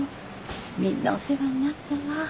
みんなお世話になったわ。